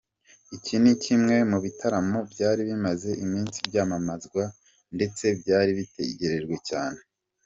Iki ni kimwe mu bitaramo byari bimaze iminsi byamamazwa ndetse byari bitegerejwe cyane.